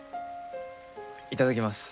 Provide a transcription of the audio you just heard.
いただきます。